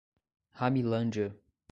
Ramilândia